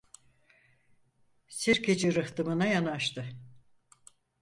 Sirkeci rıhtımına yanaştı.